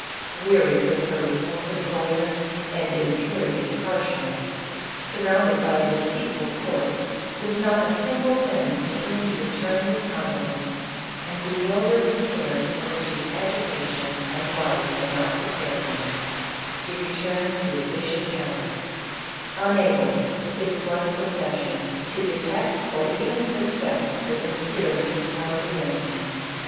Wearied with her repulsive coldness and imperious harshness, surrounded by a deceitful court, with not a single friend to whom he could turn with confidence, and bewildered with cares for which his education and CATHERINE OF RUSSIA. 401 life had not prepared him, he returned to his vicious habits, unable with his blunt perceptions to detect, or even suspect, the conspiracies formed against him.